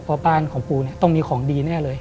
เพราะบ้านของปูต้องมีของดีแน่เลย